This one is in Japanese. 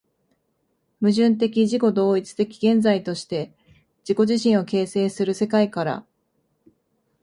矛盾的自己同一的現在として自己自身を形成する世界から、